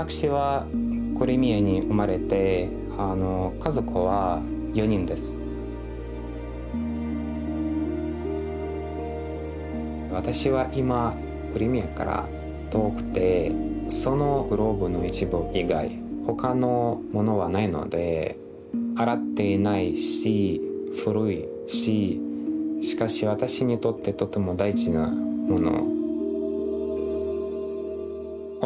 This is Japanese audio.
こちらは私は今クリミアから遠くてそのグローブの一部以外他のものはないので洗っていないし古いししかし私にとってとても大事なもの。